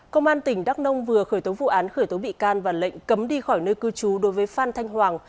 công an tỉnh đắk nông vừa khởi tố vụ án khởi tố bị can và lệnh cấm đi khỏi nơi cư trú đối với phan thanh hoàng